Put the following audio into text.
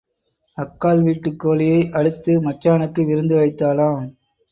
அக்காள் வீட்டுக் கோழியை அடித்து மச்சானுக்கு விருந்து வைத்தாளாம்.